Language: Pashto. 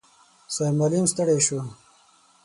سرمعلم ستړی شو.